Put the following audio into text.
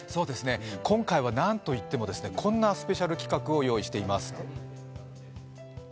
今回はなんといってもですね、こんなスペシャル企画を用意しています。